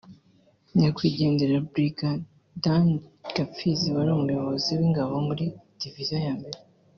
nyakwigendera Brigadier Dan Gapfizi wari umuyobozi w’ Ingabo muri divisiyo ya mbere